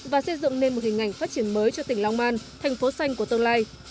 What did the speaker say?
và xây dựng nên một hình ảnh phát triển mới cho tỉnh long man thành phố xanh của tương lai